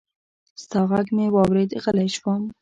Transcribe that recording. ستا غږ مې واورېد، غلی شوم